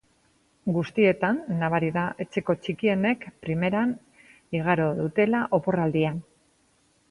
Guztietan nabari da etxeko txikienek primeran igaro dutela oporraldia.